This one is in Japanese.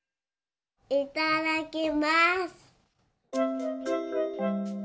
いただきます。